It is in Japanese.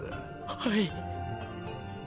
はい。